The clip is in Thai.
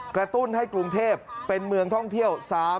ตุ้นให้กรุงเทพเป็นเมืองท่องเที่ยว